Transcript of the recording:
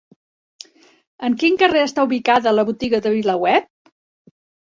En quin carrer està ubicada la Botiga de VilaWeb?